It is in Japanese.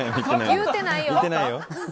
言うてないよ。